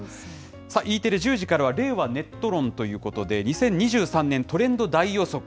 Ｅテレ１０時からは令和ネット論ということで、２０２３年トレンド大予測。